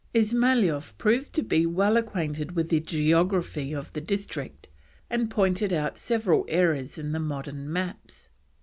Ismailoff proved to be well acquainted with the geography of the district, and pointed out several errors in the modern maps.